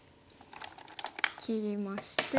切りまして。